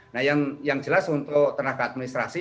nah yang jelas untuk tenaga administrasi